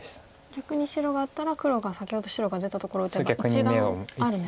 逆に白が打ったら黒が先ほど白が出たところ打てば１眼あるんですね。